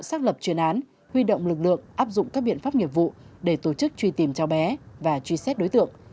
xác lập chuyên án huy động lực lượng áp dụng các biện pháp nghiệp vụ để tổ chức truy tìm cháu bé và truy xét đối tượng